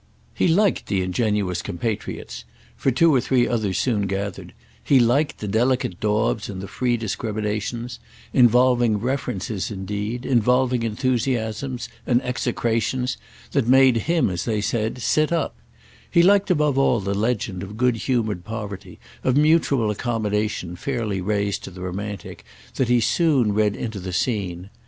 He liked the ingenuous compatriots—for two or three others soon gathered; he liked the delicate daubs and the free discriminations—involving references indeed, involving enthusiasms and execrations that made him, as they said, sit up; he liked above all the legend of good humoured poverty, of mutual accommodation fairly raised to the romantic, that he soon read into the scene.